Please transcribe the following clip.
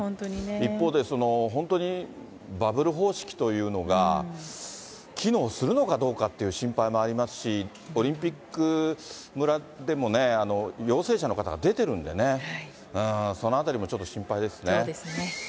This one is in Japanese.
一方で、本当にバブル方式というのが、機能するのかどうかっていう心配もありますし、オリンピック村でも陽性者の方が出てるんでね、そうですね。